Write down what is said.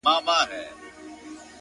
يوازيتوب زه _ او ډېوه مړه انتظار _